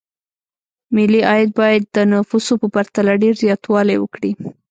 ملي عاید باید د نفوسو په پرتله ډېر زیاتوالی وکړي.